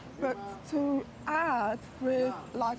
tetapi menambah dengan karya hidup